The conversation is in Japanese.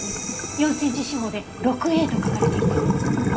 ４センチ四方で「６Ａ」と書かれていて。